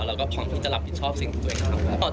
แล้วก็พร้อมที่จะรับผิดชอบสิ่งของตัวเองครับ